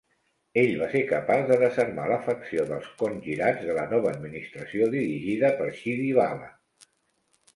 Ell va ser capaç de desarmar la facció dels qongirats de la nova administració dirigida per Shidibala.